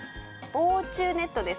防虫ネットですね。